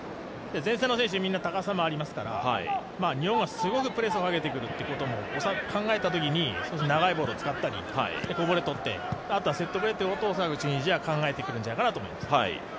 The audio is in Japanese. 前線の選手、みんな高さがありますから日本はすごくプレスをかけていくということを考えたときに長いボールを使ったり、こぼれを取ってあとセットプレーというのをチュニジアは考えてくるんじゃないかと思います。